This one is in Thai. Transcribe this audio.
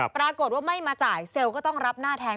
ปรากฏว่าไม่มาจ่ายเซลล์ก็ต้องรับหน้าแทน